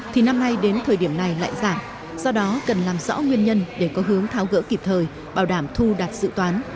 thì năm nay đến thời điểm này lại giảm do đó cần làm rõ nguyên nhân để có hướng tháo gỡ kịp thời bảo đảm thu đạt dự toán